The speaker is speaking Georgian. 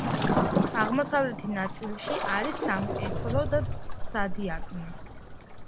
აღმოსავლეთი ნაწილში არის სამკვეთლო და სადიაკვნე.